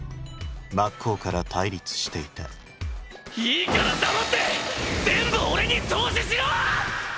真っ向から対立していたいいから黙って全部オレに投資しろ！